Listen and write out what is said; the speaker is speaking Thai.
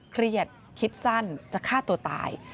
เครียดคิดสั้นจะฆ่าตัวตาย